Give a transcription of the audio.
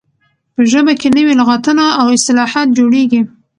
په ژبه کښي نوي لغاتونه او اصطلاحات جوړیږي.